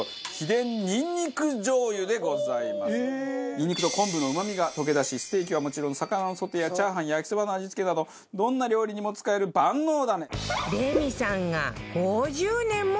ニンニクと昆布のうまみが溶け出しステーキは、もちろん魚のソテーやチャーハン焼きそばの味付けなどどんな料理にも使える万能ダレ！